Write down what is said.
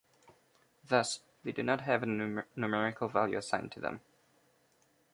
Thus, they do not have a numerical value assigned to them.